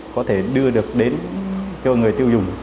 có thể đưa được đến cho người tiêu dùng